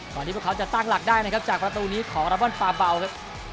ตอนนี้เขาจะตั้งหลักได้นะครับจากประตูนี้ขอระวังปลาเบาครับ